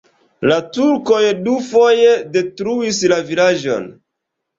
La turkoj dufoje detruis la vilaĝon.